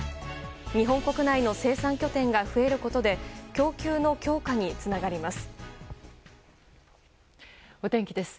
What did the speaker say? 日本国内の生産拠点が増えることで供給の強化につながります。